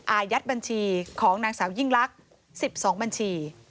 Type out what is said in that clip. อายัดบัญชีของนางสาวยิ่งลักษณ์๑๒บัญชี